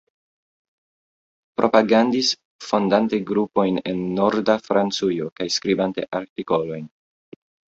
Propagandis fondante grupojn en Norda Francujo kaj skribante artikolojn.